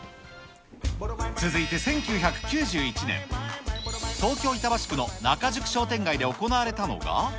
続いて１９９１年、東京・板橋区の仲宿商店街で行われたのが。